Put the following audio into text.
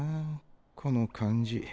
この感じ。